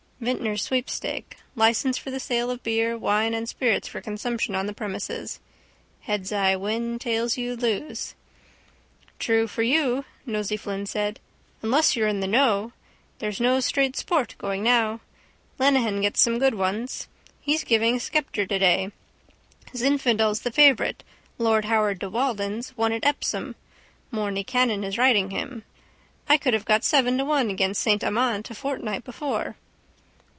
Vintners' sweepstake. Licensed for the sale of beer, wine and spirits for consumption on the premises. Heads I win tails you lose. —True for you, Nosey Flynn said. Unless you're in the know. There's no straight sport going now. Lenehan gets some good ones. He's giving Sceptre today. Zinfandel's the favourite, Lord Howard de Walden's, won at Epsom. Morny Cannon is riding him. I could have got seven to one against Saint Amant a fortnight before.